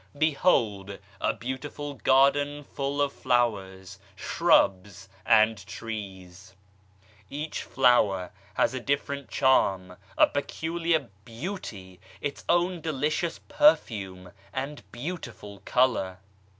Behold a beautiful garden full of flowers, shrubs and trees. Each flower has a different charm, a peculiar beauty, its own delicious perfume and beautiful colour.